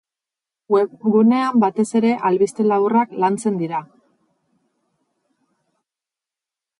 Webgunean batez ere albiste laburrak lantzen dira.